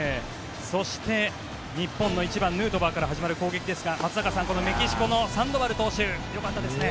そして、日本の１番ヌートバーから始まる攻撃ですが松坂さんメキシコのサンドバル投手よかったですね。